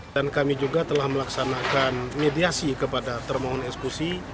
dan kami juga telah melaksanakan mediasi kepada termohon eksekusi